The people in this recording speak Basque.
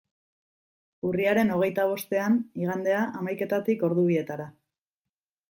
Urriaren hogeita bostean, igandea, hamaiketatik ordu bietara.